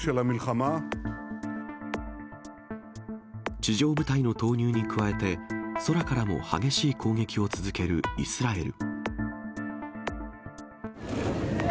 地上部隊の投入に加えて、空からも激しい攻撃を続けるイスラエル。